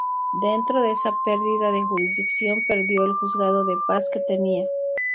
Dentro de esa perdida de jurisdicción perdió el juzgado de paz que tenía.